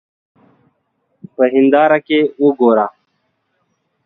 په هېنداره کې وګوره.